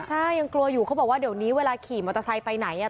ใช่ยังกลัวอยู่เขาบอกว่าเดี๋ยวนี้เวลาขี่มอเตอร์ไซค์ไปไหนอ่ะ